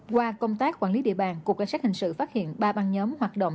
qua công tác quản lý địa bàn cục cảnh sát hình sự phát hiện ba băng nhóm hoạt động